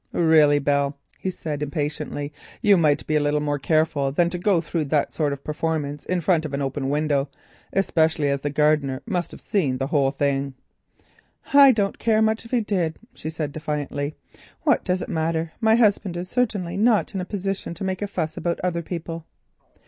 "Really, Belle," he said impatiently, "you might be a little more careful than to go through that performance in front of an open window—especially as the gardener must have seen the whole thing." "I don't much care if he did," she said defiantly. "What does it matter? My husband is certainly not in a position to make a fuss about other people."